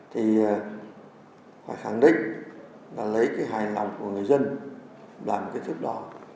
thì phải khẳng định là lấy cái hành lang của người dân làm cái thuyết đó